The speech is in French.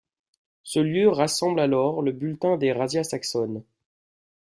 Ce lieu rassemble alors le butin des razzias saxonnes.